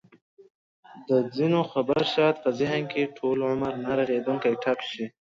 د ځینو خبره شاید په ذهن کې ټوله عمر نه رغېدونکی ټپ شي.